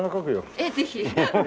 えっぜひ。